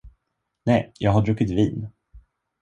Nej, jag har druckit vin.